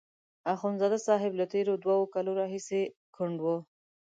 اخندزاده صاحب له تېرو دوو کالو راهیسې کونډ وو.